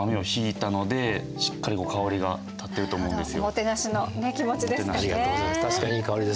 おもてなしの気持ちですかね。